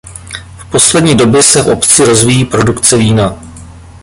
V poslední době se v obci rozvíjí produkce vína.